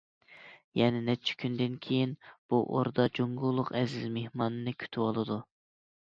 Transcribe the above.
يەنە نەچچە كۈندىن كېيىن بۇ ئوردا جۇڭگولۇق ئەزىز مېھماننى كۈتۈۋالىدۇ.